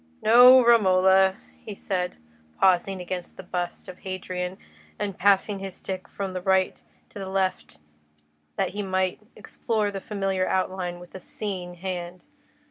"No, Romola," he said, pausing against the bust of Hadrian, and passing his stick from the right to the left that he might explore the familiar outline with a "seeing hand."